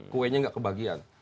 kuenya gak kebagian